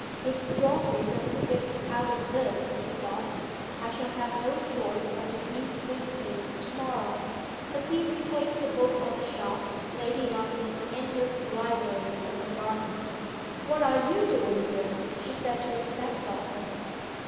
"If Geoffrey doesn't get me out of this,," he thought, "I shall have no choice but to leave Windygates to morrow." As he replaced the book on the shelf, Lady Lundie entered the library from the garden. "What are you doing here?" she said to her step daughter.